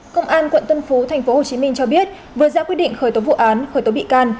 công an quận tân phú tp hcm cho biết vừa ra quyết định khởi tố vụ án khởi tố bị can